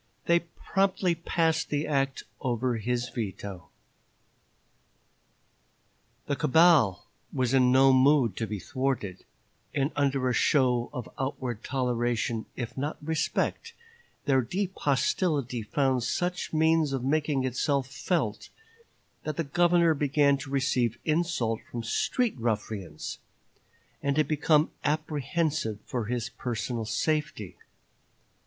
They promptly passed the act over his veto. The cabal was in no mood to be thwarted, and under a show of outward toleration, if not respect, their deep hostility found such means of making itself felt that the Governor began to receive insult from street ruffians, and to become apprehensive for his personal safety.